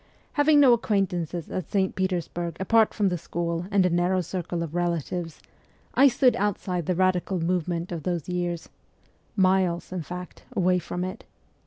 Having no acquaintances at St. Petersburg apart from the school and a narrow circle of relatives, I stood outside the radical movement of those years miles, THE CORPS OF PAGES 147 in fact, away from it.